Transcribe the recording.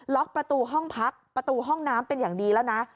ล็อกประตูห้องพักประตูห้องน้ำเป็นอย่างดีแล้วนะ